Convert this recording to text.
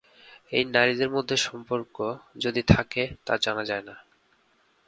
এই নারীদের মধ্যে সম্পর্ক, যদি থাকে, তা জানা যায় না।